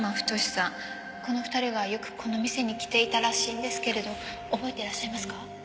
この２人がよくこの店に来ていたらしいんですけれど覚えてらっしゃいますか？